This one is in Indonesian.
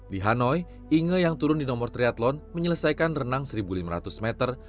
di hanoi inge yang turun di nomor triathlon menyelesaikan renang satu lima ratus meter